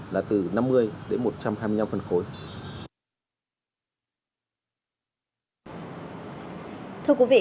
là từ năm mươi đến một trăm hai mươi năm phân khối